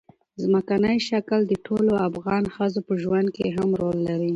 ځمکنی شکل د ټولو افغان ښځو په ژوند کې هم رول لري.